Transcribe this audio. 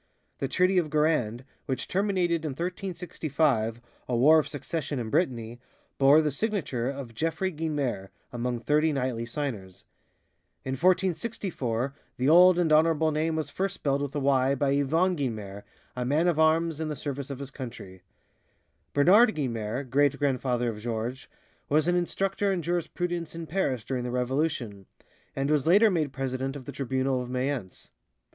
The Treaty of Guérande, which terminated in 1365 a war of succession in Brittany, bore the signature of Geoffroy Guinemer among thirty knightly signers. In 1464 the old and honorable name was first spelled with a y by Yvon Guynemer, a man of arms in the service of his country. Bernard Guynemer, great grandfather of Georges, was an instructor in jurisprudence in Paris during the Revolution, and was later made president of the Tribunal of Mayence.